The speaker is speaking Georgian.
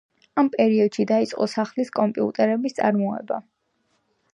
ამ პერიოდში დაწყო სახლის კომპიუტერების წარმოება.